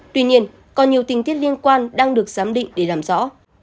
tuy nhiên còn nhiều tình tiết liên quan đang được giám định để làm rõ